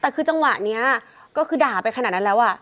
แต่คือจังหวะนี้ก็คือด่าไปขนาดนั้นแล้วอ่ะ